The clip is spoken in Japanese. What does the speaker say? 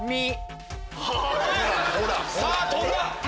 さぁ飛んだ。